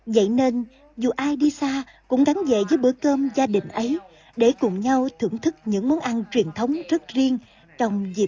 vậy nên dù ai đi xa cũng gắn về với bữa cơm gia đình ấy để cùng nhau thưởng thức những món ăn truyền thống rất riêng trong dịp tết